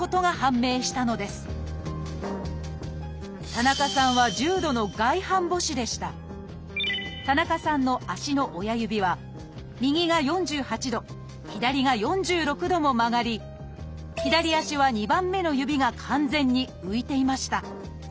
田中さんは田中さんの足の親指は右が４８度左が４６度も曲がり左足は２番目の指が完全に浮いていました。